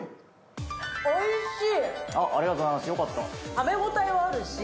おいしい。